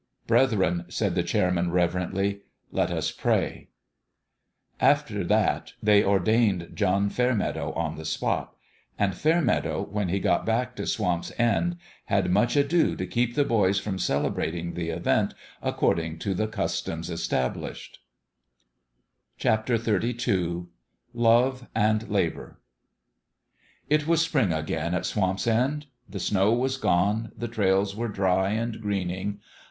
" Brethren," said the chairman, reverently, " let us pray !" After that they ordained John Fairmeadow on the spot ; and Fairmeadow, when he got back to Swamp's End, had much ado to keep the boys from celebrating the event according to the cus toms established. XXXII LOfE AND LABOUR IT was spring again at Swamp's End. The snow was gone : the trails were dry and greening.